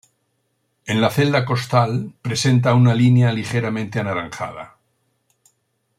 En la celda costal presenta una línea ligeramente anaranjada.